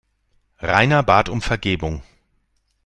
Rainer bat um Vergebung.